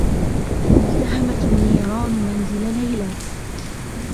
التهمت النّيران منزل ليلى.